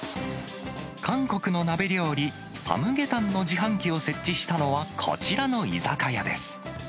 韓国の鍋料理、サムゲタンの自販機を設置したのは、こちらの居酒屋です。